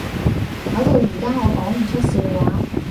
搞到而家我講唔出笑話